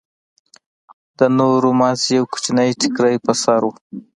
د نورو مازې يو کوچنى ټيکرى پر سر و.